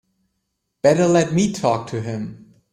Better let me talk to him.